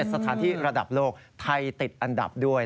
สถานที่ระดับโลกไทยติดอันดับด้วย